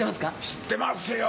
知ってますよ！